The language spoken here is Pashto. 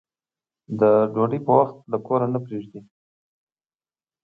د ډوډۍ په وخت له کوره نه پرېږدي.